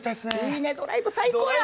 いいね、ドライブ最高や。